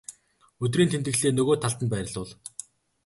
өдрийн тэмдэглэлээ нөгөө талд нь байрлуул.